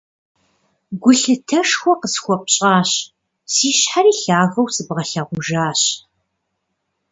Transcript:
Гулъытэшхуэ къысхуэпщӀащ, си щхьэри лъагэу сыбгъэлъэгъужащ.